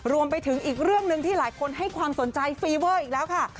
รวมไปถึงอีกเรื่องหนึ่งที่หลายคนให้ความสนใจฟีเวอร์อีกแล้วค่ะ